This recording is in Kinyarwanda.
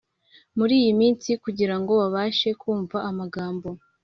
muri iyi minsi; kugirango babashe kumva amagambo